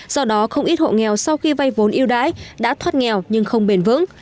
do đó không ít hộ nghèo sau khi vây vốn yêu đãi đã thoát nghèo nhưng không bền vững